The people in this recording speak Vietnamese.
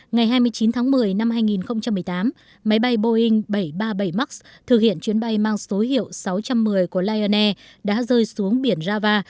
ngày hai mươi chín tháng một mươi năm hai nghìn một mươi tám máy bay boeing bảy trăm ba mươi bảy max thực hiện chuyến bay mang số hiệu sáu trăm một mươi của lion air đã rơi xuống biển rava